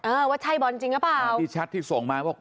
เออว่าใช่บอลจริงหรือเปล่าที่แชทที่ส่งมาบอก